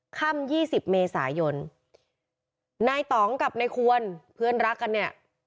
ค่ำ๒๐เมษายนนายต๋องกับนายควลเพื่อนรักกันเนี่ย